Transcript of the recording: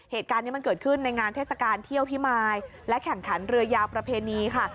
เหตุการณ์นี้มันเกิดขึ้นในงานเทศกาลเที่ยวพิมายและแข่งขันเรือยาวประเพณีค่ะ